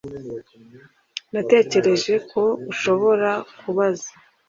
Natekereje ko ushobora kubaza